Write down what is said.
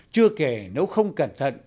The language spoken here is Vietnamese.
chưa kể nếu không cẩn thận